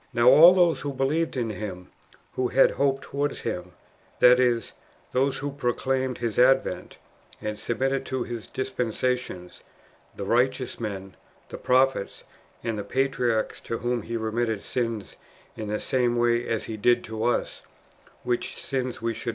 Now all those believed in Him who had hope towards Him, that is, those who proclaimed His advent, and submitted to His dispensations, the righteous men, the prophets, and the patriarchs, to whom He remitted sins in the same way as He did to us, which sins we should ^ 1 Kings viii.